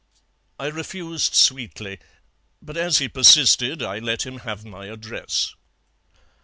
"I refused sweetly, but as he persisted I let him have my address.